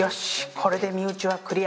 これで身内はクリア